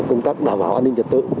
công tác đảm bảo an ninh trật tự